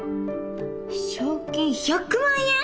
「賞金１００万円」！？